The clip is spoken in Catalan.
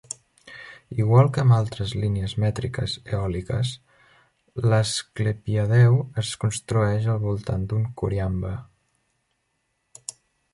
Igual que amb altres línies mètriques eòliques, l'asclepiadeu es construeix al voltant d'un coriambe.